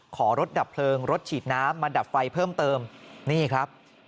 ขอรถดับเพลิงรถฉีดน้ำมาดับไฟเพิ่มเติมนี่ครับ